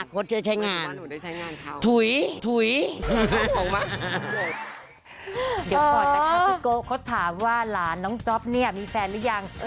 พนักธุ์แล้วล่ะอยากกอบพี่โก้